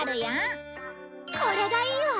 これがいいわ！